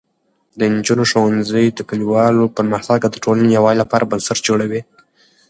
د نجونو ښوونځی د کلیوالو پرمختګ او د ټولنې یووالي لپاره بنسټ جوړوي.